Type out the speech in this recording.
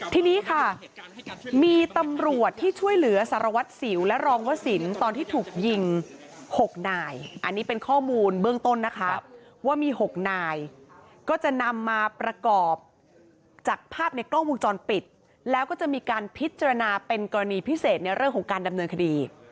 ทีนี้ค่ะมีตำรวจที่ช่วยเหลือสารวัตรสิวและรองวสินตอนที่ถูกยิง๖นายอันนี้เป็นข้อมูลเบื้องต้นนะคะว่ามี๖นายก็จะนำมาประกอบจากภาพในกล้องวงจรปิดแล้วก็จะมีการพิจารณาเป็นกรณีพิเศษในเรื่องของการดำเนินคดี